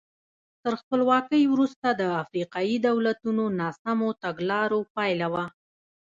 تر خپلواکۍ وروسته د افریقایي دولتونو ناسمو تګلارو پایله وه.